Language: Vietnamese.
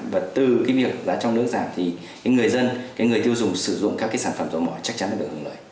và từ cái việc giá trong nước giảm thì người dân cái người tiêu dùng sử dụng các cái sản phẩm dầu mỏ chắc chắn là được hưởng lợi